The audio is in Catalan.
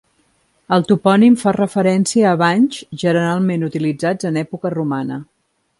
El topònim fa referència a banys, generalment utilitzats en època romana.